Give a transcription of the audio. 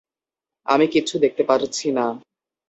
আমি কিচ্ছু দেখতে পারছি না।